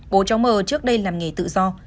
bố cháu mơ trước đây làm nghề tự do